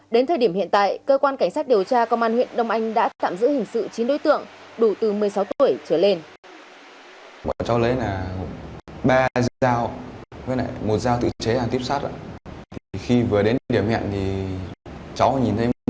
đến thời điểm hiện tại cơ quan cảnh sát điều tra công an huyện đông anh đã tạm giữ hình sự chín đối tượng đủ từ một mươi sáu tuổi trở lên